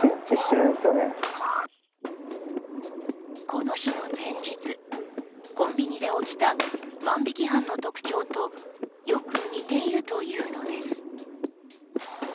この日の前日コンビニで起きた万引き犯の特徴とよく似ているというのです。